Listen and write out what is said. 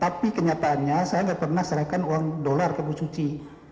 tapi kenyataannya saya nggak pernah serahkan uang dolar ke bu suci